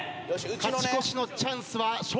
勝ち越しのチャンスは笑